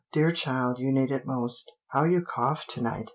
"Dear child, you need it most. How you cough to night!"